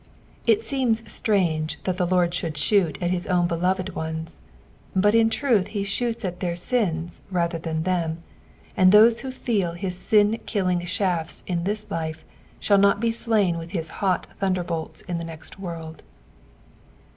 It seems strange that the Lord should shoot at his ovn beloved ones, but in truth he shoots at their sins rather than them, and those who feel hia sin killm^ shafts in tliia life, shall not be slain nith hia hot thunderbolts in the next world.